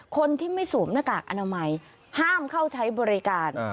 คนที่ไม่สวมหน้ากากอนามัยห้ามเข้าใช้บริการ